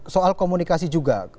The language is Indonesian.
soal komunikasi juga